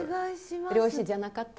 漁師じゃなかった。